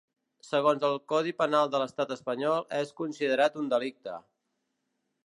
Segons el codi penal de l'Estat espanyol és considerat un delicte.